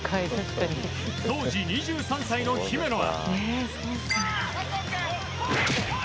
当時２３歳の姫野は。